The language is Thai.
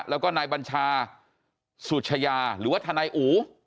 แล้วก็นายบัญชาสุชยาหรือว่าทนายอู